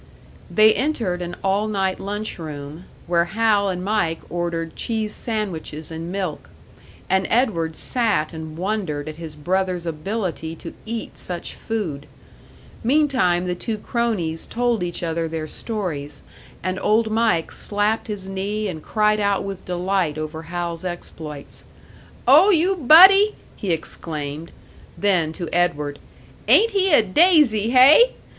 They entered an all night lunch room, where Hal and Mike ordered cheese sandwiches and milk, and Edward sat and wondered at his brother's ability to eat such food. Meantime the two cronies told each other their stories, and Old Mike slapped his knee and cried out with delight over Hal's exploits. "Oh, you buddy!" he exclaimed; then, to Edward, "Ain't he a daisy, hey?"